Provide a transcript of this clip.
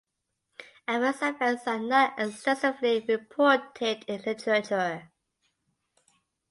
Adverse effects are not extensively reported in the literature.